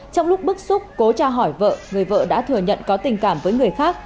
trong lúc bức xúc cố cha hỏi vợ người vợ đã thừa nhận có tình cảm với người khác